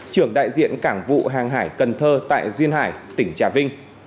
trưởng đại diện cảng vụ hàng hải cần thơ tại duyên hải tỉnh trà vinh